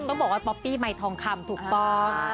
ต้องบอกว่าป๊อปปี้ใหม่ทองคำถูกต้อง